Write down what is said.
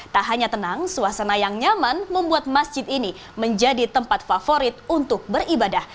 tak hanya tenang suasana yang nyaman membuat masjid ini menjadi tempat favorit untuk beribadah